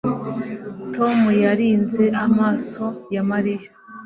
Tom yirinze amaso ya Mariya